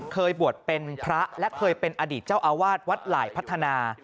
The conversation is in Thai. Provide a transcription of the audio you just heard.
เคยบวชเป็นพระและเคยเป็นอดีตเจ้าอาวาสวัดหลายพัฒนา